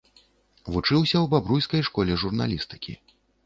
Вучыўся ў бабруйскай школе журналістыкі.